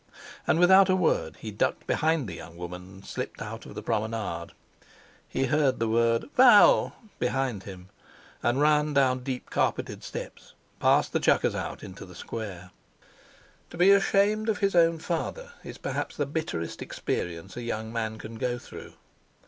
And without a word he ducked behind the young woman and slipped out of the Promenade. He heard the word, "Val!" behind him, and ran down deep carpeted steps past the "chuckersout," into the Square. To be ashamed of his own father is perhaps the bitterest experience a young man can go through.